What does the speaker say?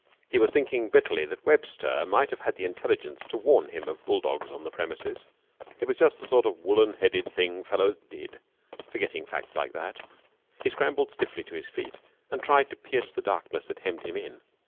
He was thinking bitterly that Webster might have had the intelligence to warn him of bulldogs on the premises. It was just the sort of woollen headed thing fellows did, forgetting facts like that. He scrambled stiffly to his feet and tried to pierce the darkness that hemmed him in.